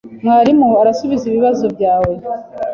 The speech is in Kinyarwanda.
mwarimu arasubiza ibibazo byawe